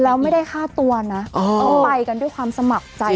แล้วไม่ได้ฆ่าตัวนะเขาไปกันด้วยความสมัครใจ